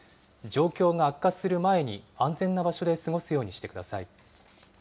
状況が悪化する前に、安全な場所で過ごすようにしてください。